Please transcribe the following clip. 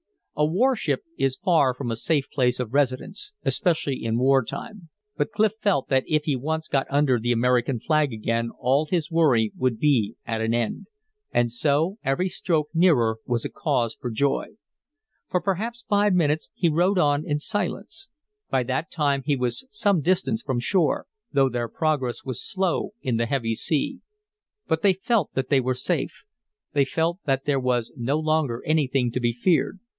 A warship is far from a safe place of residence, especially in war time. But Clif felt that if he once got under the American flag again all his worry would be at an end. And so every stroke nearer was a cause for joy. For perhaps five minutes he rowed on in silence. By that time he was some distance from shore, though their progress was slow in the heavy sea. But they felt that they were safe. They felt that there was no longer anything to be feared.